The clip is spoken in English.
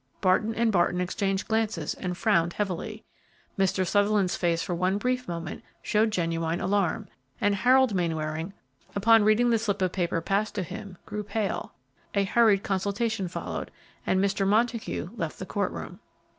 Barton & Barton exchanged glances and frowned heavily; Mr. Sutherland's face for one brief moment showed genuine alarm, and Harold Mainwaring, upon reading the slip of paper passed to him, grew pale. A hurried consultation followed and Mr. Montague left the court room.